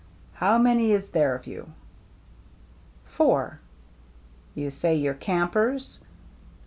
How many is there of you ?"" Four." " You say you're campers